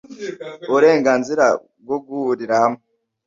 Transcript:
uburenganzira bwo guhurira hamwe